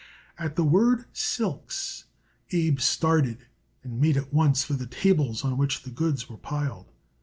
At the word silks Abe started and made at once for the tables on which the goods were piled.